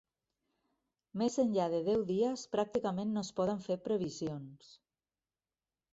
Més enllà de deu dies pràcticament no es poden fer previsions.